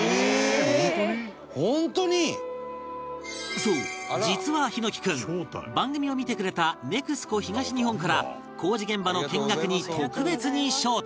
そう実は枇乃樹君番組を見てくれた ＮＥＸＣＯ 東日本から工事現場の見学に特別に招待